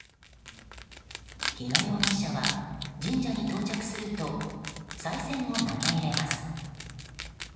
日野容疑者は神社に到着するとさい銭を投げ入れます。